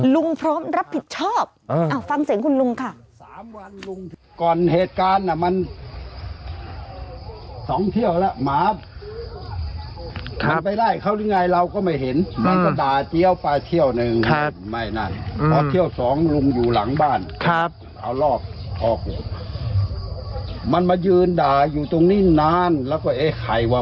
พร้อมรับผิดชอบฟังเสียงคุณลุงค่ะ